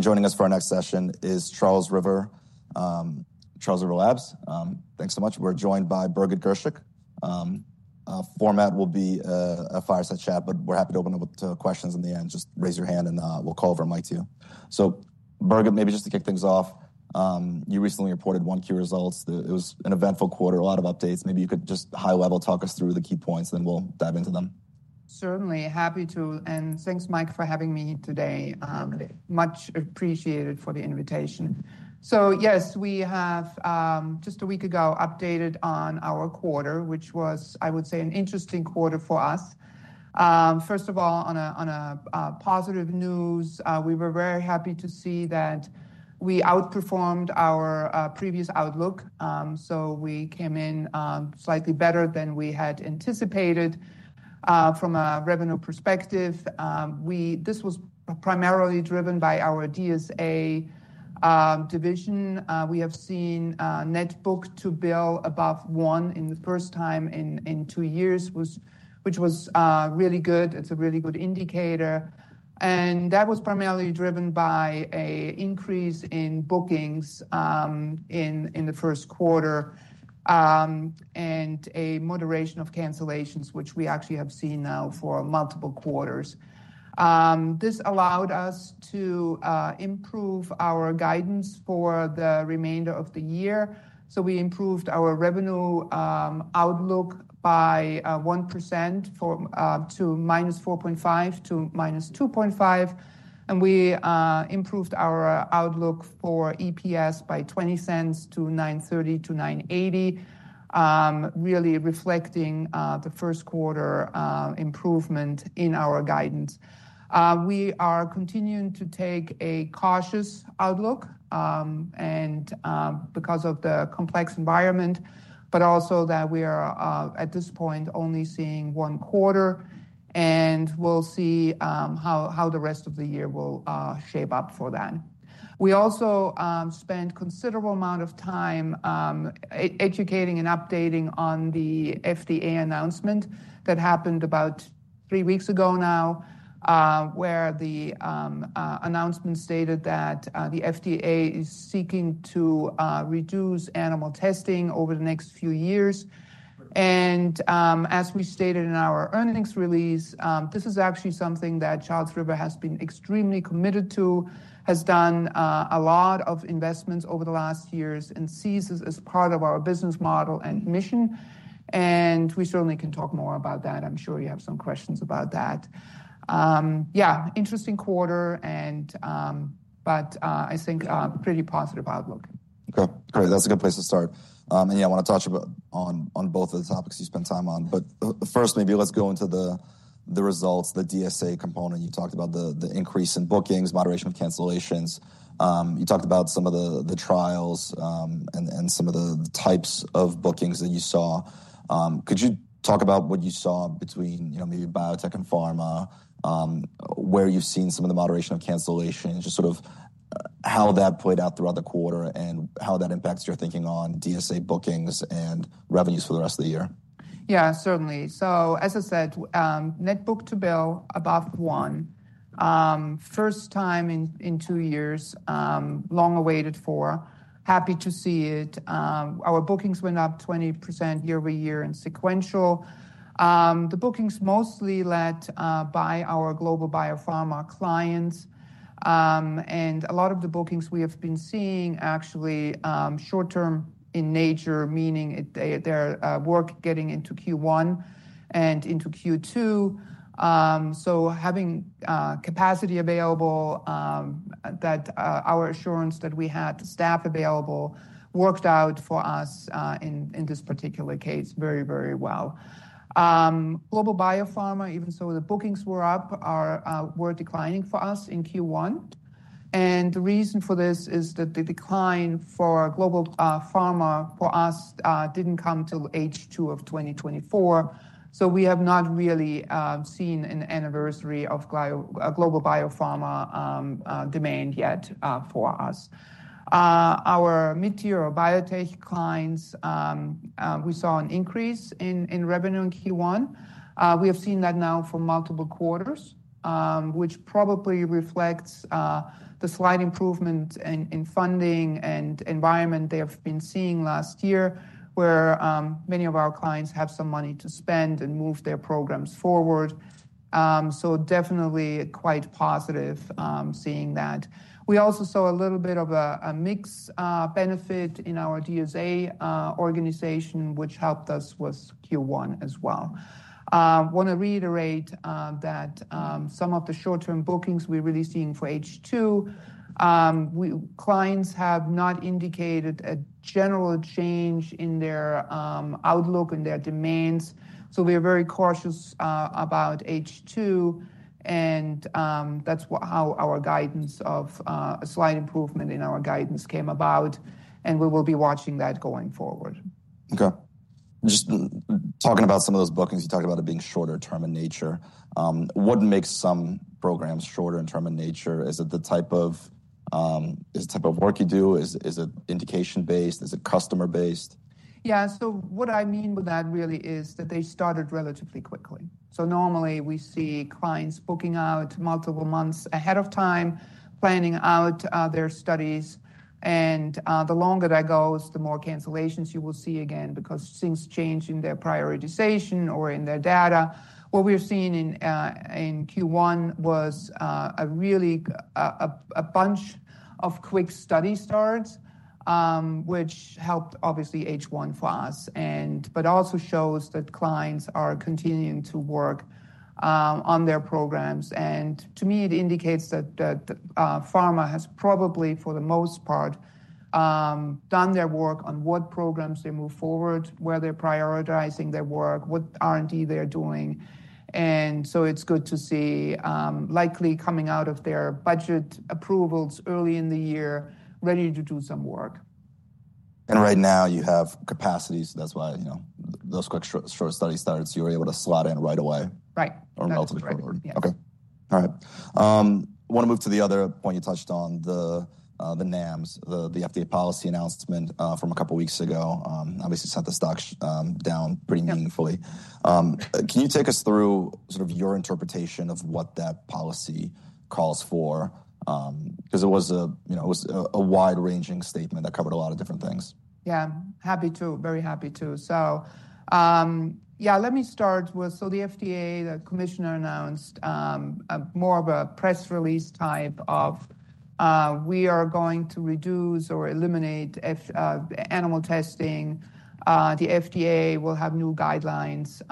Joining us for our next session is Charles River, Charles River Labs. Thanks so much. We're joined by Birgit Girshick. Format will be a fireside chat, but we're happy to open up to questions in the end. Just raise your hand and we'll call over a mic to you. Birgit, maybe just to kick things off, you recently reported one Q results. It was an eventful quarter, a lot of updates. Maybe you could just high level talk us through the key points, then we'll dive into them. Certainly. Happy to. And thanks, Mike, for having me today. Much appreciated for the invitation. Yes, we have just a week ago updated on our quarter, which was, I would say, an interesting quarter for us. First of all, on a positive news, we were very happy to see that we outperformed our previous outlook. We came in slightly better than we had anticipated from a revenue perspective. This was primarily driven by our DSA division. We have seen net book to bill above one for the first time in two years, which was really good. It is a really good indicator. That was primarily driven by an increase in bookings in the first quarter and a moderation of cancellations, which we actually have seen now for multiple quarters. This allowed us to improve our guidance for the remainder of the year. We improved our revenue outlook by 1% to -4.5% to -2.5%. We improved our outlook for EPS by $0.20 to $9.30-$9.80, really reflecting the first quarter improvement in our guidance. We are continuing to take a cautious outlook because of the complex environment, but also that we are at this point only seeing one quarter, and we will see how the rest of the year will shape up for that. We also spent a considerable amount of time educating and updating on the FDA announcement that happened about three weeks ago now, where the announcement stated that the FDA is seeking to reduce animal testing over the next few years. As we stated in our earnings release, this is actually something that Charles River has been extremely committed to, has done a lot of investments over the last years and sees this as part of our business model and mission. We certainly can talk more about that. I'm sure you have some questions about that. Yeah, interesting quarter, but I think a pretty positive outlook. Okay, great. That's a good place to start. Yeah, I want to touch on both of the topics you spent time on. First, maybe let's go into the results, the DSA component. You talked about the increase in bookings, moderation of cancellations. You talked about some of the trials and some of the types of bookings that you saw. Could you talk about what you saw between maybe biotech and pharma, where you've seen some of the moderation of cancellations, just sort of how that played out throughout the quarter and how that impacts your thinking on DSA bookings and revenues for the rest of the year? Yeah, certainly. As I said, net book to bill above one, first time in two years, long awaited for. Happy to see it. Our bookings went up 20% year-over-year in sequential. The bookings mostly led by our global biopharma clients. A lot of the bookings we have been seeing actually short-term in nature, meaning their work getting into Q1 and into Q2. Having capacity available, that our assurance that we had staff available worked out for us in this particular case very, very well. Global biopharma, even though the bookings were up, were declining for us in Q1. The reason for this is that the decline for global pharma for us did not come till H2 of 2024. We have not really seen an anniversary of global biopharma demand yet for us. Our mid-tier or biotech clients, we saw an increase in revenue in Q1. We have seen that now for multiple quarters, which probably reflects the slight improvement in funding and environment they have been seeing last year, where many of our clients have some money to spend and move their programs forward. Definitely quite positive seeing that. We also saw a little bit of a mixed benefit in our DSA organization, which helped us with Q1 as well. I want to reiterate that some of the short-term bookings we're really seeing for H2, clients have not indicated a general change in their outlook and their demands. We are very cautious about H2. That is how our guidance of a slight improvement in our guidance came about. We will be watching that going forward. Okay. Just talking about some of those bookings, you talked about it being shorter term in nature. What makes some programs shorter in term of nature? Is it the type of work you do? Is it indication-based? Is it customer-based? Yeah. What I mean with that really is that they started relatively quickly. Normally we see clients booking out multiple months ahead of time, planning out their studies. The longer that goes, the more cancellations you will see again because things change in their prioritization or in their data. What we were seeing in Q1 was really a bunch of quick study starts, which helped obviously H1 for us, but also shows that clients are continuing to work on their programs. To me, it indicates that pharma has probably, for the most part, done their work on what programs they move forward, where they're prioritizing their work, what R&D they're doing. It is good to see likely coming out of their budget approvals early in the year, ready to do some work. Right now you have capacity. That is why those quick short study starts, you were able to slot in right away. Right. Or multiple quarters. Yeah. Okay. All right. I want to move to the other point you touched on, the NAMs, the FDA policy announcement from a couple of weeks ago. Obviously sent the stocks down pretty meaningfully. Can you take us through sort of your interpretation of what that policy calls for? Because it was a wide-ranging statement that covered a lot of different things. Yeah. Happy to. Very happy to. Yeah, let me start with, the FDA, the commissioner announced more of a press release type of, we are going to reduce or eliminate animal testing. The FDA will have new guidelines.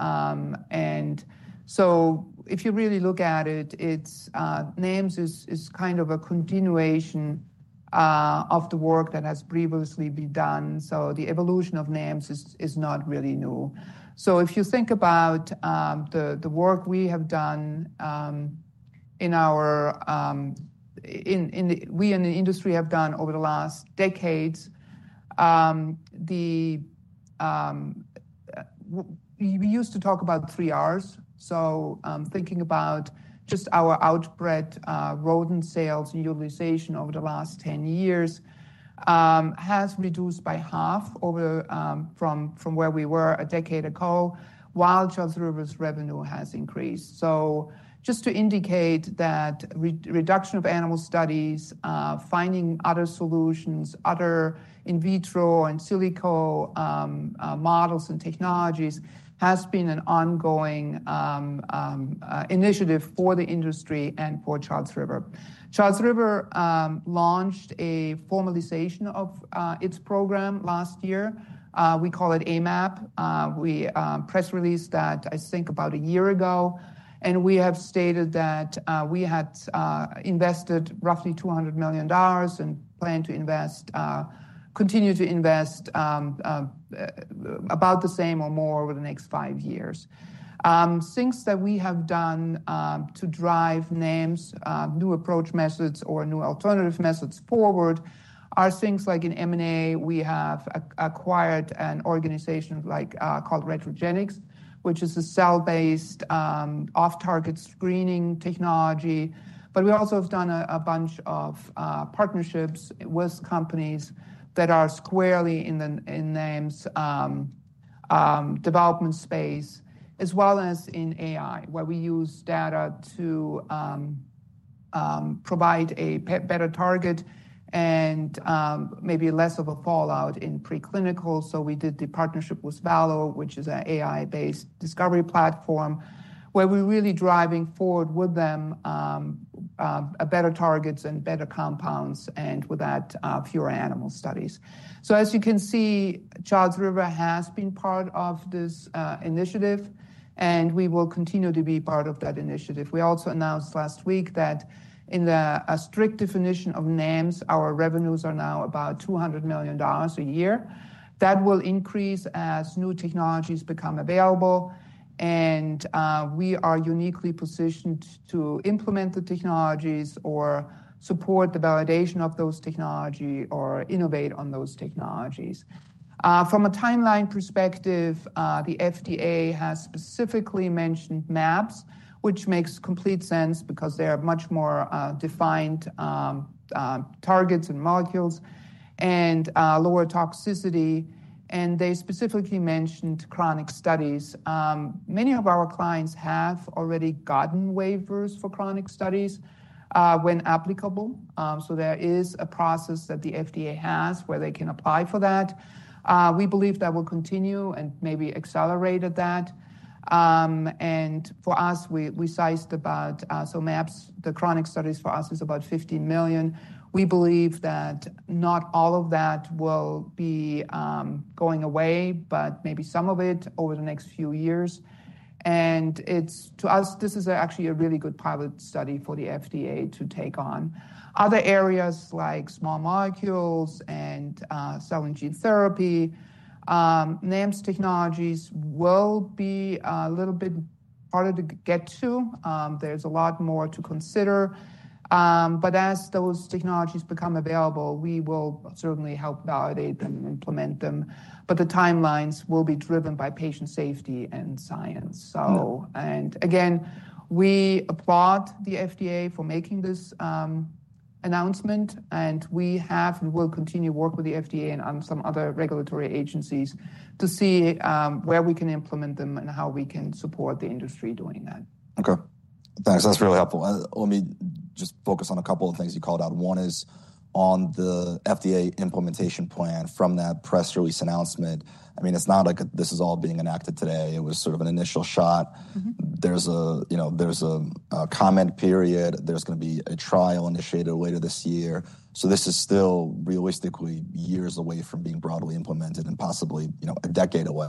If you really look at it, NAMS is kind of a continuation of the work that has previously been done. The evolution of NAMS is not really new. If you think about the work we have done in our, we in the industry have done over the last decades, we used to talk about 3 Rs. Thinking about just our outbred rodent sales and utilization over the last 10 years has reduced by half from where we were a decade ago, while Charles River's revenue has increased. Just to indicate that reduction of animal studies, finding other solutions, other in vitro and silico models and technologies has been an ongoing initiative for the industry and for Charles River. Charles River launched a formalization of its program last year. We call it AMAP. We press released that, I think, about a year ago. We have stated that we had invested roughly $200 million and plan to invest, continue to invest about the same or more over the next five years. Things that we have done to drive NAMS, new approach methods or new alternative methods forward are things like in M&A, we have acquired an organization called Retrogenics, which is a cell-based off-target screening technology. We also have done a bunch of partnerships with companies that are squarely in NAMS development space, as well as in AI, where we use data to provide a better target and maybe less of a fallout in preclinical. We did the partnership with Valo, which is an AI-based discovery platform, where we're really driving forward with them better targets and better compounds and with that fewer animal studies. As you can see, Charles River has been part of this initiative, and we will continue to be part of that initiative. We also announced last week that in the strict definition of NAMS, our revenues are now about $200 million a year. That will increase as new technologies become available. We are uniquely positioned to implement the technologies or support the validation of those technologies or innovate on those technologies. From a timeline perspective, the FDA has specifically mentioned MAPS, which makes complete sense because they are much more defined targets and molecules and lower toxicity. They specifically mentioned chronic studies. Many of our clients have already gotten waivers for chronic studies when applicable. There is a process that the FDA has where they can apply for that. We believe that will continue and maybe accelerate that. For us, we sized about, so MAPS, the chronic studies for us is about $15 million. We believe that not all of that will be going away, but maybe some of it over the next few years. To us, this is actually a really good pilot study for the FDA to take on. Other areas like small molecules and cell and gene therapy, NAMS technologies will be a little bit harder to get to. is a lot more to consider. As those technologies become available, we will certainly help validate them and implement them. The timelines will be driven by patient safety and science. Again, we applaud the FDA for making this announcement. We have and will continue to work with the FDA and some other regulatory agencies to see where we can implement them and how we can support the industry doing that. Okay. Thanks. That's really helpful. Let me just focus on a couple of things you called out. One is on the FDA implementation plan from that press release announcement. I mean, it's not like this is all being enacted today. It was sort of an initial shot. There's a comment period. There's going to be a trial initiated later this year. This is still realistically years away from being broadly implemented and possibly a decade away.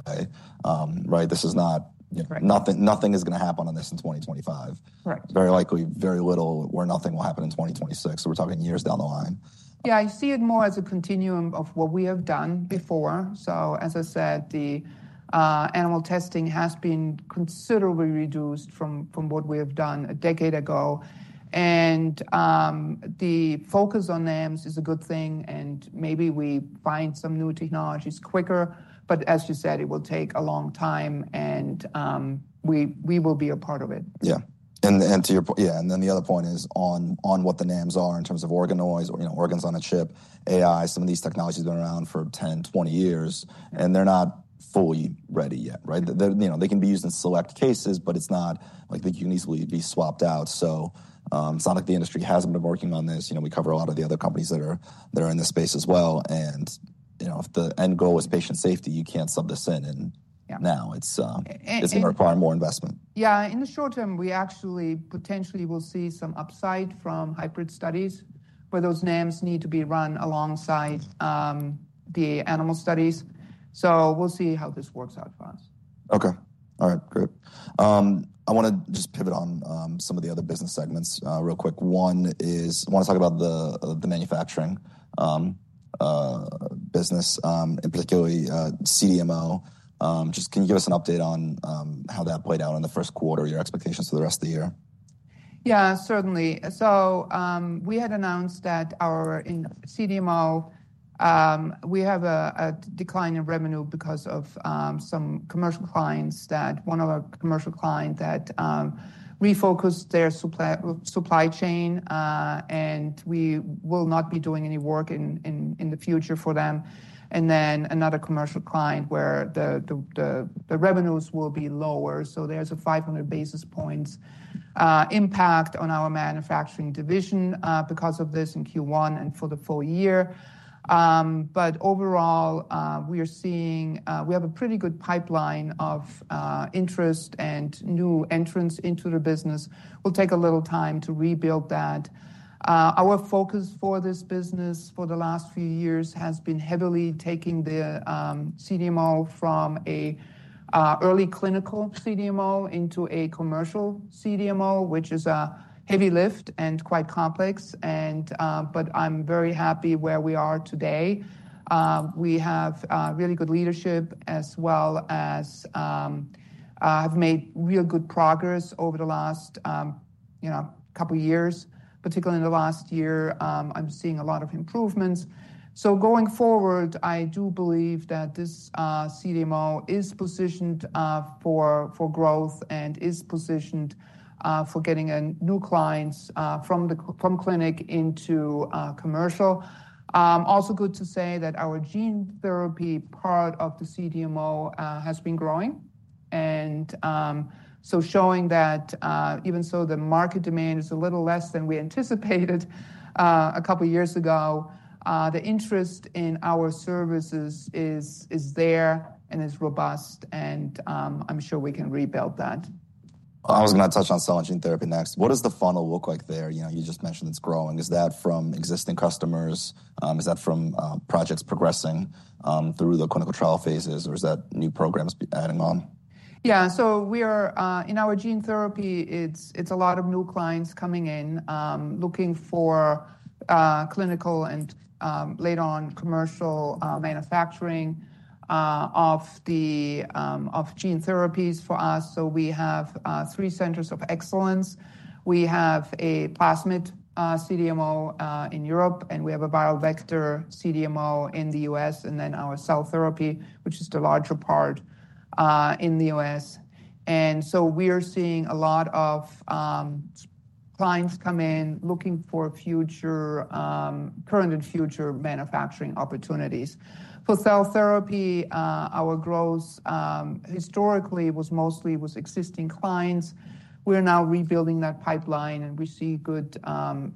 Right? This is not nothing is going to happen on this in 2025. Very likely very little or nothing will happen in 2026. So we're talking years down the line. Yeah, I see it more as a continuum of what we have done before. As I said, the animal testing has been considerably reduced from what we have done a decade ago. The focus on NAMS is a good thing. Maybe we find some new technologies quicker. It will take a long time. We will be a part of it. Yeah. To your point, yeah. The other point is on what the NAMS are in terms of organoids or organs on a chip, AI, some of these technologies have been around for 10, 20 years. They're not fully ready yet, right? They can be used in select cases, but it's not like they can easily be swapped out. It's not like the industry hasn't been working on this. We cover a lot of the other companies that are in the space as well. If the end goal is patient safety, you can't sub this in. Now it's going to require more investment. Yeah. In the short term, we actually potentially will see some upside from hybrid studies where those NAMS need to be run alongside the animal studies. We will see how this works out for us. Okay. All right. Great. I want to just pivot on some of the other business segments real quick. One is I want to talk about the manufacturing business, in particular CDMO. Just can you give us an update on how that played out in the first quarter, your expectations for the rest of the year? Yeah, certainly. We had announced that our CDMO, we have a decline in revenue because of some commercial clients that one of our commercial clients that refocused their supply chain. We will not be doing any work in the future for them. Then another commercial client where the revenues will be lower. There is a 500 basis points impact on our manufacturing division because of this in Q1 and for the full year. Overall, we are seeing we have a pretty good pipeline of interest and new entrants into the business. We'll take a little time to rebuild that. Our focus for this business for the last few years has been heavily taking the CDMO from an early clinical CDMO into a commercial CDMO, which is a heavy lift and quite complex. I'm very happy where we are today. We have really good leadership as well as have made real good progress over the last couple of years, particularly in the last year. I'm seeing a lot of improvements. Going forward, I do believe that this CDMO is positioned for growth and is positioned for getting new clients from clinic into commercial. Also, good to say that our gene therapy part of the CDMO has been growing. Showing that even though the market demand is a little less than we anticipated a couple of years ago, the interest in our services is there and is robust. I'm sure we can rebuild that. I was going to touch on cell and gene therapy next. What does the funnel look like there? You just mentioned it's growing. Is that from existing customers? Is that from projects progressing through the clinical trial phases? Or is that new programs adding on? Yeah. In our gene therapy, it's a lot of new clients coming in looking for clinical and later on commercial manufacturing of gene therapies for us. We have three centers of excellence. We have a plasmid CDMO in Europe. We have a viral vector CDMO in the U.S. Our cell therapy, which is the larger part, is in the U.S. We are seeing a lot of clients come in looking for current and future manufacturing opportunities. For cell therapy, our growth historically was mostly with existing clients. We are now rebuilding that pipeline. We see good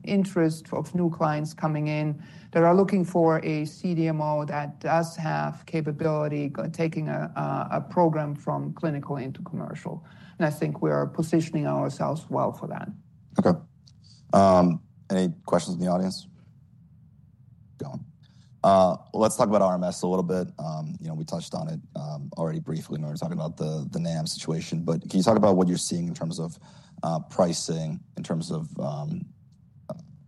interest of new clients coming in that are looking for a CDMO that does have capability taking a program from clinical into commercial. I think we are positioning ourselves well for that. Okay. Any questions in the audience? Let's talk about RMS a little bit. We touched on it already briefly when we were talking about the NAMS situation. Can you talk about what you're seeing in terms of pricing, in terms of,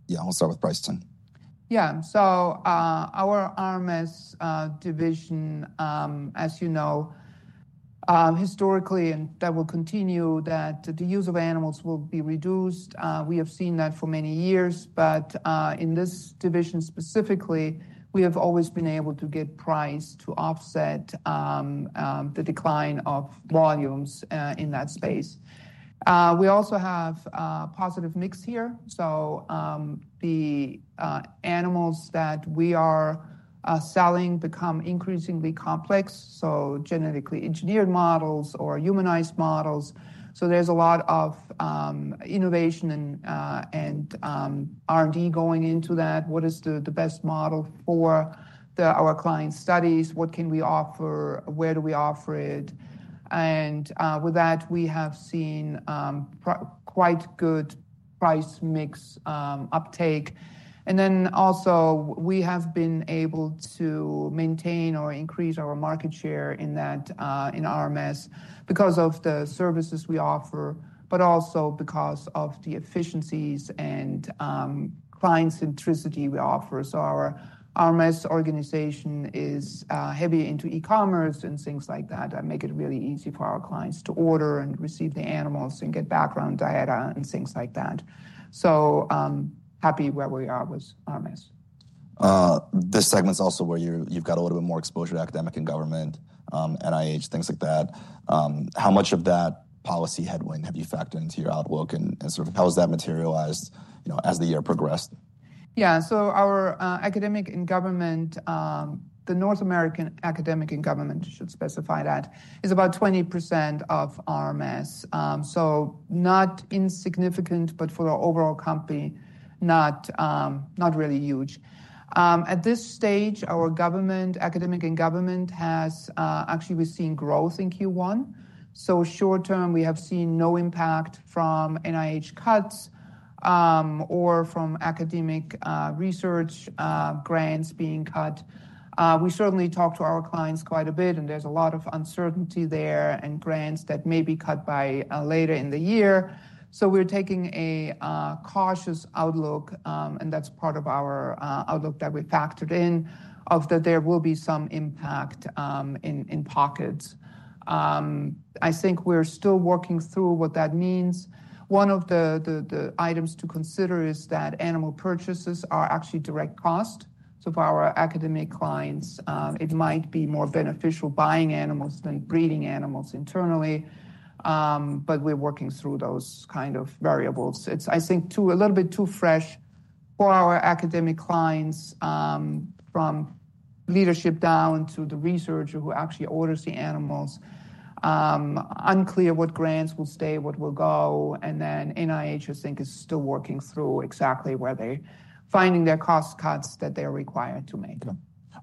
yeah, we'll start with price 10. Yeah. Our RMS division, as you know, historically, and that will continue, the use of animals will be reduced. We have seen that for many years. In this division specifically, we have always been able to get price to offset the decline of volumes in that space. We also have a positive mix here. The animals that we are selling become increasingly complex, so genetically engineered models or humanized models. There is a lot of innovation and R&D going into that. What is the best model for our client studies? What can we offer? Where do we offer it? With that, we have seen quite good price mix uptake. We have also been able to maintain or increase our market share in RMS because of the services we offer, but also because of the efficiencies and client centricity we offer. Our RMS organization is heavy into e-commerce and things like that that make it really easy for our clients to order and receive the animals and get background data and things like that. So happy where we are with RMS. This segment's also where you've got a little bit more exposure to academic and government, NIH, things like that. How much of that policy headwind have you factored into your outlook? And sort of how has that materialized as the year progressed? Yeah. Our academic and government, the North American academic and government, should specify that, is about 20% of RMS. Not insignificant, but for our overall company, not really huge. At this stage, our government academic and government has actually seen growth in Q1. Short term, we have seen no impact from NIH cuts or from academic research grants being cut. We certainly talk to our clients quite a bit. There is a lot of uncertainty there and grants that may be cut later in the year. We are taking a cautious outlook. That is part of our outlook that we factored in, that there will be some impact in pockets. I think we are still working through what that means. One of the items to consider is that animal purchases are actually direct cost. For our academic clients, it might be more beneficial buying animals than breeding animals internally. We're working through those kind of variables. It's, I think, a little bit too fresh for our academic clients from leadership down to the researcher who actually orders the animals. Unclear what grants will stay, what will go. NIH, I think, is still working through exactly where they're finding their cost cuts that they're required to make.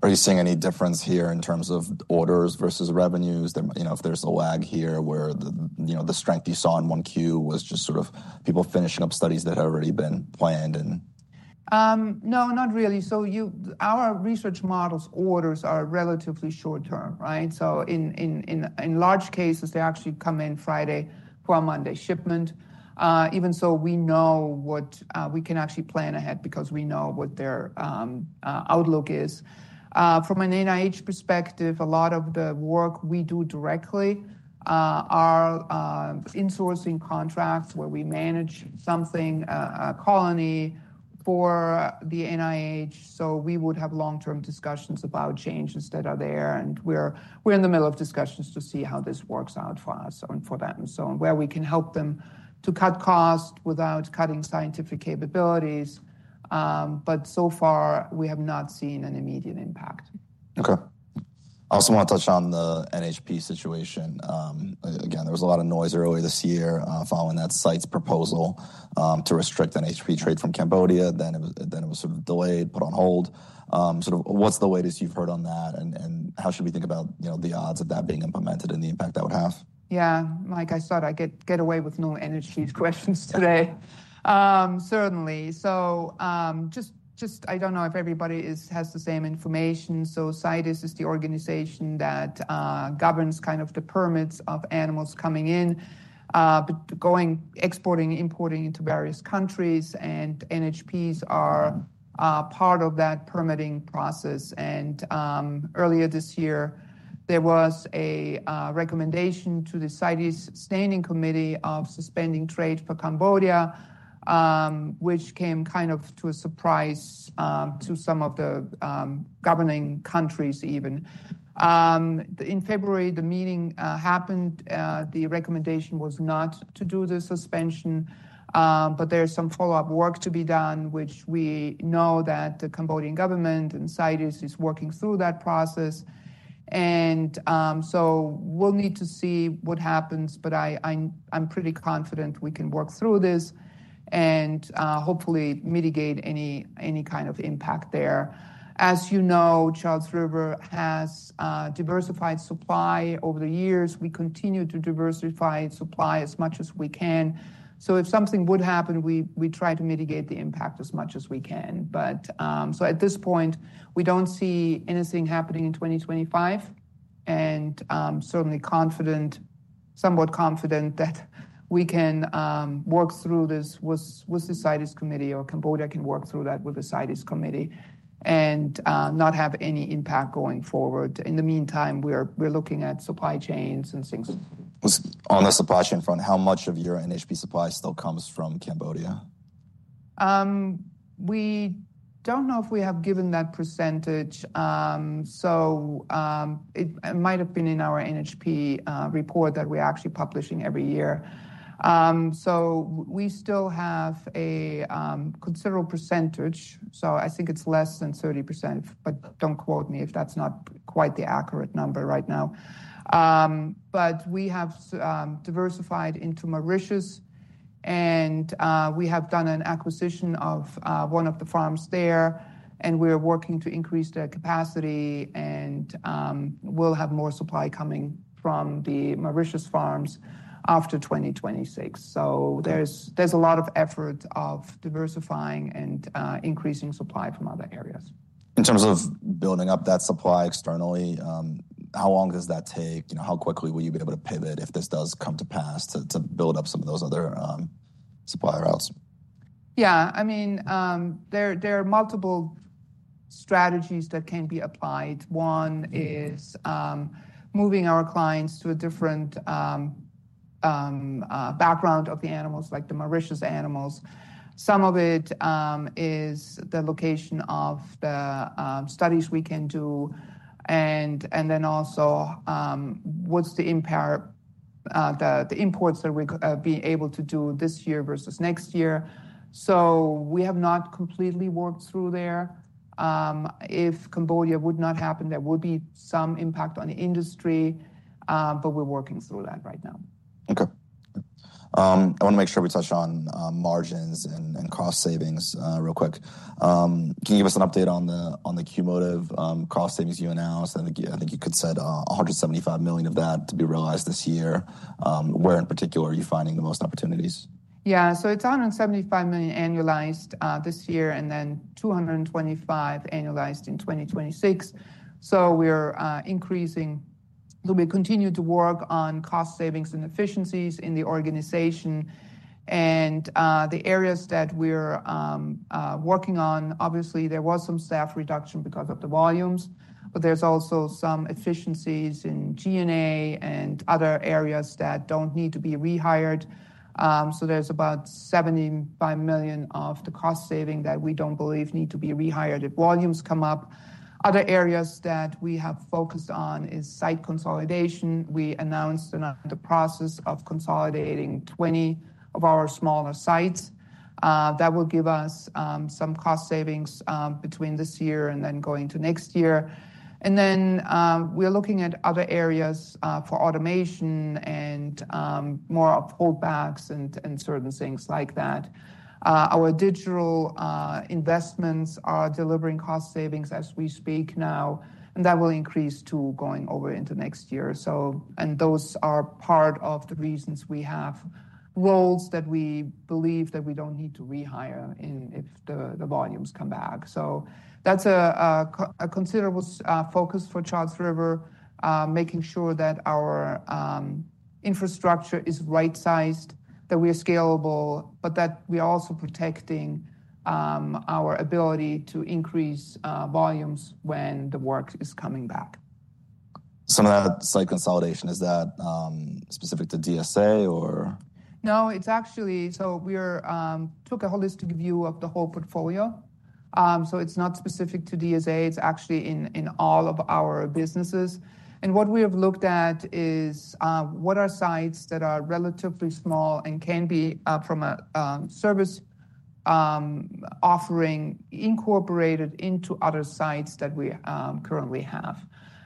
Are you seeing any difference here in terms of orders versus revenues? If there's a lag here where the strength you saw in one Q was just sort of people finishing up studies that had already been planned. No, not really. So our research models' orders are relatively short term. Right? So in large cases, they actually come in Friday for a Monday shipment. Even so, we know what we can actually plan ahead because we know what their outlook is. From an NIH perspective, a lot of the work we do directly are insourcing contracts where we manage something, a colony for the NIH. So we would have long-term discussions about changes that are there. We are in the middle of discussions to see how this works out for us and for them and so on, where we can help them to cut costs without cutting scientific capabilities. So far, we have not seen an immediate impact. Okay. I also want to touch on the NHP situation. Again, there was a lot of noise earlier this year following that site's proposal to restrict NHP trade from Cambodia. Then it was sort of delayed, put on hold. What is the latest you've heard on that? And how should we think about the odds of that being implemented and the impact that would have? Yeah. Like I said, I get away with no NHP questions today. Certainly. Just I do not know if everybody has the same information. CITES is the organization that governs kind of the permits of animals coming in, exporting, importing into various countries. NHPs are part of that permitting process. Earlier this year, there was a recommendation to the CITES standing committee of suspending trade for Cambodia, which came kind of as a surprise to some of the governing countries even. In February, the meeting happened. The recommendation was not to do the suspension. There is some follow-up work to be done, which we know that the Cambodian government and CITES is working through that process. We will need to see what happens. I am pretty confident we can work through this and hopefully mitigate any kind of impact there. As you know, Charles River has diversified supply over the years. We continue to diversify supply as much as we can. If something would happen, we try to mitigate the impact as much as we can. At this point, we do not see anything happening in 2025. We are certainly somewhat confident that we can work through this with the CITES committee or Cambodia can work through that with the CITES committee and not have any impact going forward. In the meantime, we are looking at supply chains and things. On the supply chain front, how much of your NHP supply still comes from Cambodia? We don't know if we have given that percentage. It might have been in our NHP report that we're actually publishing every year. We still have a considerable percentage. I think it's less than 30%. Don't quote me if that's not quite the accurate number right now. We have diversified into Mauritius. We have done an acquisition of one of the farms there. We're working to increase the capacity. We'll have more supply coming from the Mauritius farms after 2026. There's a lot of effort of diversifying and increasing supply from other areas. In terms of building up that supply externally, how long does that take? How quickly will you be able to pivot if this does come to pass to build up some of those other supply routes? Yeah. I mean, there are multiple strategies that can be applied. One is moving our clients to a different background of the animals, like the Mauritius animals. Some of it is the location of the studies we can do. And then also, what's the impact of the imports that we're being able to do this year versus next year? We have not completely worked through there. If Cambodia would not happen, there would be some impact on the industry. We are working through that right now. Okay. I want to make sure we touch on margins and cost savings real quick. Can you give us an update on the cumulative cost savings you announced? I think you said $175 million of that to be realized this year. Where in particular are you finding the most opportunities? Yeah. So it's $175 million annualized this year and then $225 million annualized in 2026. We're increasing. We continue to work on cost savings and efficiencies in the organization. The areas that we're working on, obviously, there was some staff reduction because of the volumes. There's also some efficiencies in GNA and other areas that don't need to be rehired. There's about $75 million of the cost saving that we don't believe need to be rehired if volumes come up. Other areas that we have focused on is site consolidation. We announced the process of consolidating 20 of our smaller sites. That will give us some cost savings between this year and going to next year. We're looking at other areas for automation and more of holdbacks and certain things like that. Our digital investments are delivering cost savings as we speak now. That will increase too going over into next year. Those are part of the reasons we have roles that we believe that we do not need to rehire if the volumes come back. That is a considerable focus for Charles River, making sure that our infrastructure is right-sized, that we are scalable, but that we are also protecting our ability to increase volumes when the work is coming back. Some of that site consolidation, is that specific to DSA or? No. We took a holistic view of the whole portfolio. It is not specific to DSA. It is actually in all of our businesses. What we have looked at is what are sites that are relatively small and can be, from a service offering, incorporated into other sites that we currently have.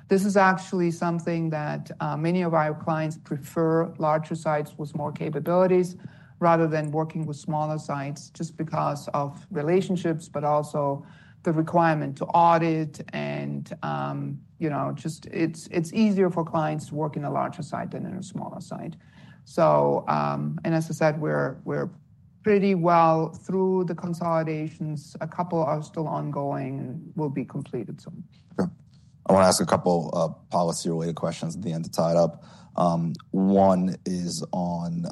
This is actually something that many of our clients prefer, larger sites with more capabilities, rather than working with smaller sites just because of relationships, but also the requirement to audit. It is easier for clients to work in a larger site than in a smaller site. As I said, we are pretty well through the consolidations. A couple are still ongoing and will be completed soon. Okay. I want to ask a couple of policy-related questions at the end to tie it up. One is on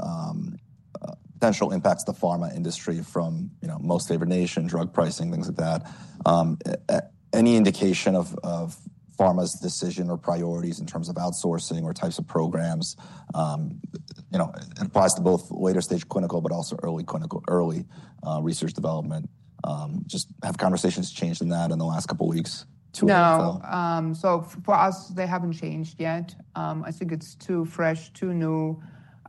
potential impacts to the pharma industry from most favored nation, drug pricing, things like that. Any indication of pharma's decision or priorities in terms of outsourcing or types of programs? It applies to both later stage clinical, but also early research development. Just have conversations changed in that in the last couple of weeks too? No. For us, they haven't changed yet. I think it's too fresh, too new.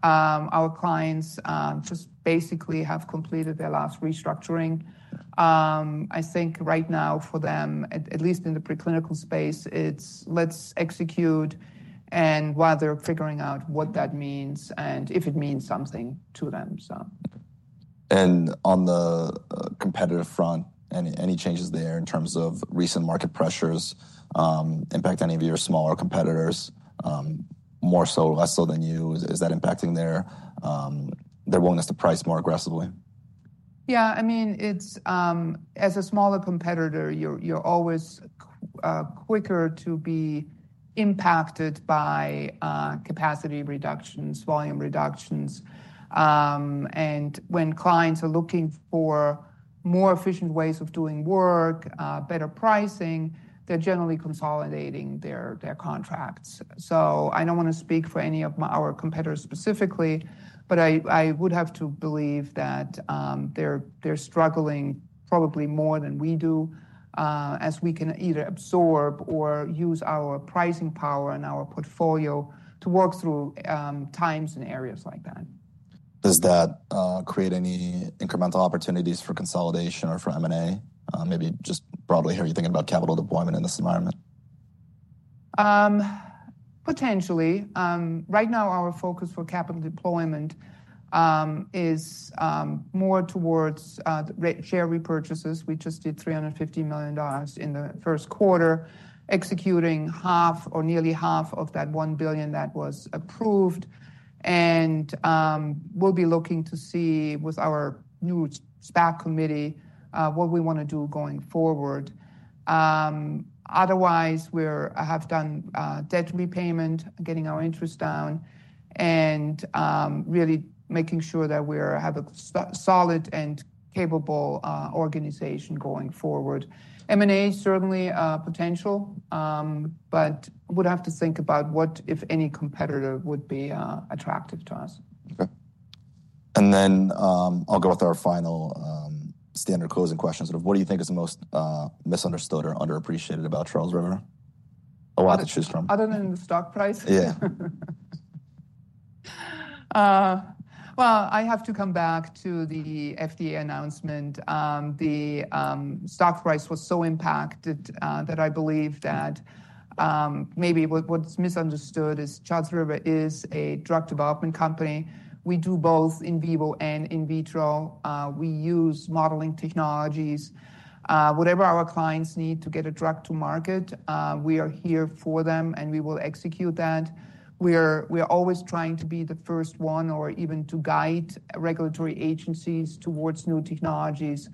Our clients just basically have completed their last restructuring. I think right now for them, at least in the preclinical space, it's let's execute while they're figuring out what that means and if it means something to them. On the competitive front, any changes there in terms of recent market pressures impact any of your smaller competitors, more so, less so than you? Is that impacting their willingness to price more aggressively? Yeah. I mean, as a smaller competitor, you're always quicker to be impacted by capacity reductions, volume reductions. When clients are looking for more efficient ways of doing work, better pricing, they're generally consolidating their contracts. I don't want to speak for any of our competitors specifically. I would have to believe that they're struggling probably more than we do, as we can either absorb or use our pricing power and our portfolio to work through times and areas like that. Does that create any incremental opportunities for consolidation or for M&A? Maybe just broadly here, you're thinking about capital deployment in this environment. Potentially. Right now, our focus for capital deployment is more towards share repurchases. We just did $350 million in the first quarter, executing half or nearly half of that $1 billion that was approved. We will be looking to see with our new SPAC committee what we want to do going forward. Otherwise, we have done debt repayment, getting our interest down, and really making sure that we have a solid and capable organization going forward. M&A is certainly a potential. We would have to think about what, if any, competitor would be attractive to us. Okay. And then I'll go with our final standard closing question. Sort of what do you think is the most misunderstood or underappreciated about Charles River? A lot to choose from. Other than the stock price? Yeah. I have to come back to the FDA announcement. The stock price was so impacted that I believe that maybe what's misunderstood is Charles River is a drug development company. We do both in vivo and in vitro. We use modeling technologies. Whatever our clients need to get a drug to market, we are here for them. We will execute that. We are always trying to be the first one or even to guide regulatory agencies towards new technologies.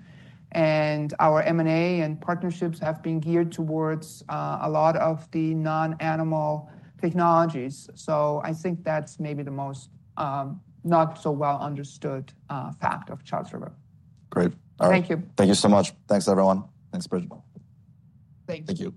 Our M&A and partnerships have been geared towards a lot of the non-animal technologies. I think that's maybe the most not-so-well-understood fact of Charles River. Great. Thank you. Thank you so much. Thanks, everyone. Thanks, Birgit. Thank you.